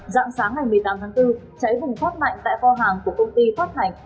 dạng sáng ngày một mươi tám tháng bốn cháy bùng phát mạnh tại kho hàng của công ty phát thành